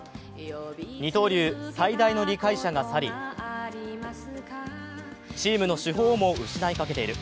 二刀流最大の理解者が去りチームの主砲をも失いかけている。